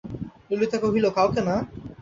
ললিতা কহিল, কাউকে না?